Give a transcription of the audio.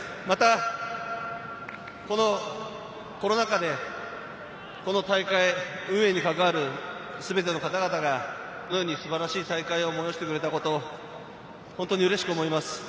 また、このコロナ禍で、この大会、運命に関わる全ての方々がこのように素晴らしい大会を催してくれたこと、本当にうれしく思います。